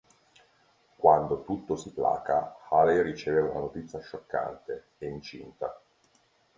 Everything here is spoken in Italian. Quando tutto si placa, Haley riceve una notizia scioccante: è incinta.